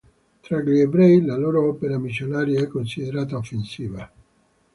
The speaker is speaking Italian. Tra gli ebrei, la loro opera missionaria è considerata offensiva.